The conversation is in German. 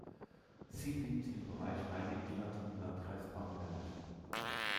Sie liegt im Bereich Heiligenstadt im Landkreis Bamberg.